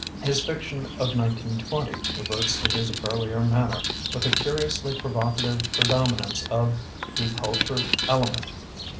His fiction of 1920 reverts to his earlier manner, with a curiously pro vocative predominance of the "cul ture" element.